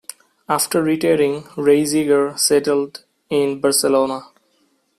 After retiring, Reiziger settled in Barcelona.